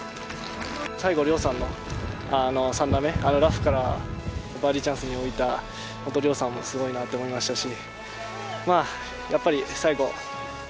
最後、遼さんの３打目、あのラフからバーディーチャンスに置いた、遼さんもすごいなと思いましたし